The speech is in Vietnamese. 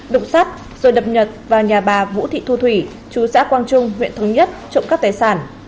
đục sắt rồi đập nhật vào nhà bà vũ thị thu thủy chú xã quang trung huyện thống nhất trộm cắp tài sản